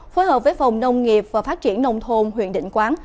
phối hợp với phòng nông nghiệp và phát triển nông thôn huyện định quán